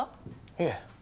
いえ。